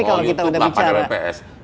kalau youtube delapan mbps